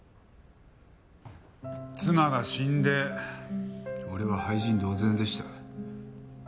妻が死んで俺は廃人同然でした。